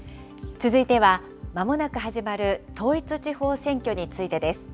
続いては、まもなく始まる統一地方選挙についてです。